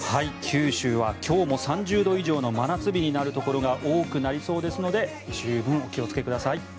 九州は今日も３０度以上の真夏日になるところが多くなりそうですので十分お気をつけください。